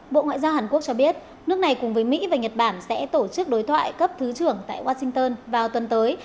bộ ngoại giao hàn quốc cho biết nước này cùng với mỹ và nhật bản sẽ tổ chức đối thoại cấp thứ trưởng tại washington vào tuần tới